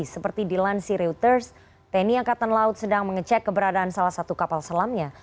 seperti dilansir reuters tni angkatan laut sedang mengecek keberadaan salah satu kapal selamnya